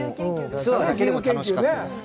ツアーだけでも楽しかったですね。